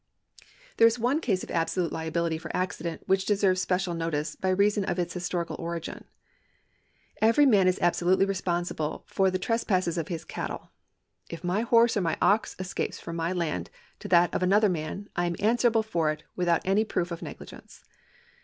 There is one case of absolute liability for accident which deserves special notice by reason of its historical origin. Every man is absolutely responsible for the trespasses of his cattle. If my horse or my ox escapes from my land to that of another man, T am answerable for it without any proof of negligence.